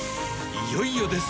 いよいよです！